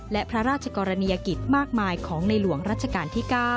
และพระราชกรณียกิจมากมายของในหลวงรัชกาลที่๙